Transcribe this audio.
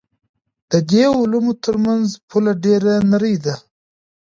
د دې علومو ترمنځ پوله ډېره نرۍ ده.